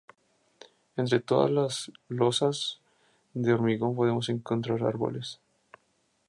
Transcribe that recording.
Entre todas las losas de hormigón podemos encontrar árboles.